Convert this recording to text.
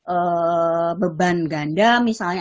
ee beban ganda misalnya